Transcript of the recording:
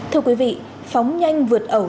thưa quý vị phóng nhanh vượt ẩu